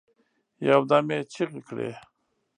یو دم یې چیغي کړې